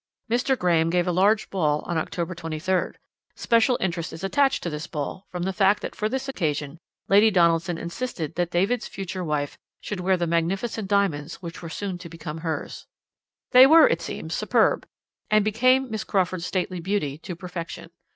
"Mr. Graham gave a large ball on October 23rd. Special interest is attached to this ball, from the fact that for this occasion Lady Donaldson insisted that David's future wife should wear the magnificent diamonds which were soon to become hers. "They were, it seems, superb, and became Miss Crawford's stately beauty to perfection.